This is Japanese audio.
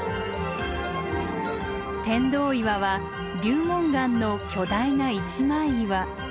天童岩は流紋岩の巨大な一枚岩。